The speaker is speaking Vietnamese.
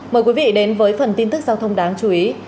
mời quý vị đến với phần tin tức giao thông đáng chú ý